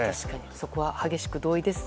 そこは激しく同意です。